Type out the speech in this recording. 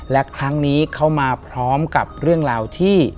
และครั้งนี้เขามาพร้อมกับเรื่องราวที่